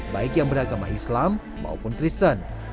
baik yang beragama islam maupun kristen